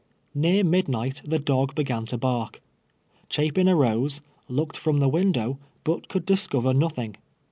Near midnight the dog began to bark. Cliai)in amse, looked from the window, but could discover nothing.